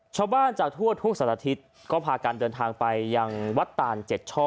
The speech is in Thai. ชาวบ้านจากทั่วทุกสัตว์อาทิตย์ก็พากันเดินทางไปยังวัดตานเจ็ดช่อ